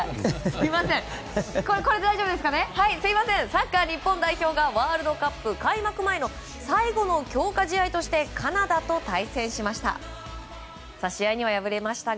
サッカー日本代表がワールドカップ開幕前の最後の強化試合としてカナダと対戦しました。